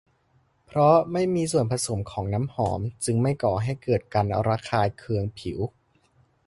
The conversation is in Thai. เพราะไม่มีส่วนผสมของน้ำหอม จึงไม่ก่อให้เกิดการระคายเคืองผิว